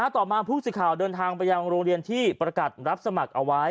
ต่อมาผู้สื่อข่าวเดินทางไปยังโรงเรียนที่ประกาศรับสมัครเอาไว้